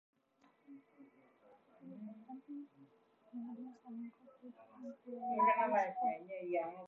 Today the abbey buildings are incorporated into a rice farm.